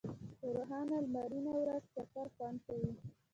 په روښانه لمرینه ورځ چکر خوند کوي.